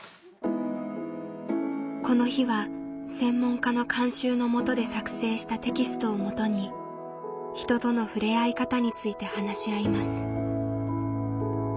この日は専門家の監修のもとで作成したテキストをもとに「人とのふれあい方」について話し合います。